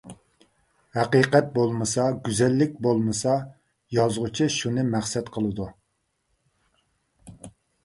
ھەقىقەت بولمىسا، گۈزەللىك بولمىسا يازغۇچى شۇنى مەقسەت قىلىدۇ.